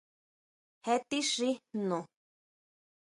¿Jé tixí jnu?